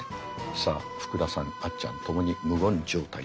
さあ福田さんあっちゃんともに無言状態に入りました。